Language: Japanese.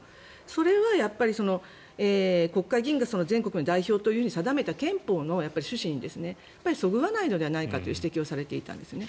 それはやっぱり、国会議員が全国の代表と定めた憲法の趣旨にそぐわないのではないかという指摘をされていたんですね。